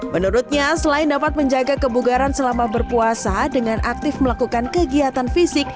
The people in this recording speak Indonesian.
menurutnya selain dapat menjaga kebugaran selama berpuasa dengan aktif melakukan kegiatan fisik